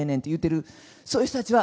もうそういう人たちは、